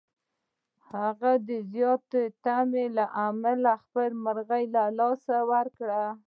هغه د زیاتې تمې له امله خپله مرغۍ له لاسه ورکړه.